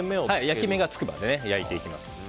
焼き目がつくまで焼いていきます。